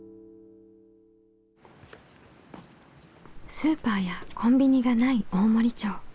スーパーやコンビニがない大森町。